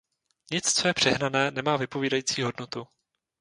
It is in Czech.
Nic, co je přehnané, nemá vypovídací hodnotu.